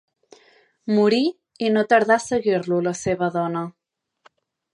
Morí, i no tardà a seguir-lo la seva dona.